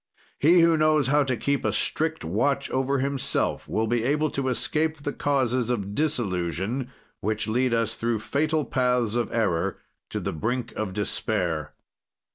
He who knows how to keep a strict watch over himself will be able to escape the causes of disillusion, which lead us through fatal paths of error, to the brink of despair.